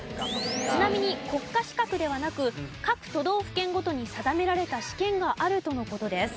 ちなみに国家資格ではなく各都道府県ごとに定められた試験があるとの事です。